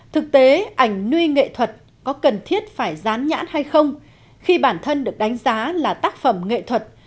thực tế ảnh nuôi nghệ thuật có cần thiết phải dán nhãn hay không khi bản thân được đánh giá là tác phẩm nghệ thuật